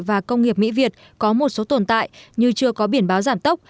và công nghiệp mỹ việt có một số tồn tại như chưa có biển báo giảm tốc